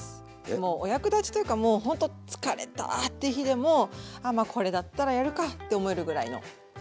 もうお役立ちというかもうほんと疲れたって日でもあまあこれだったらやるかって思えるぐらいの簡単なものを。